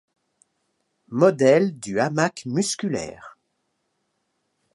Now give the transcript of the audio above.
Modèle du hamac musculaire.